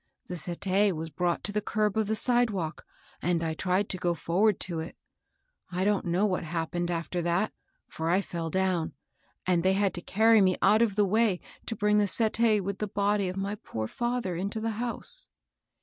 The settee was brought to the curb of the sidewalk, and I tried to go forward to it. I don't know what hap pened after that, for I fell down ; and they had to carry me out of the way to bring the settee with the body of my poor father into the house.